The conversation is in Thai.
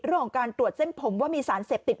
เรื่องของการตรวจเส้นผมว่ามีสารเสพติด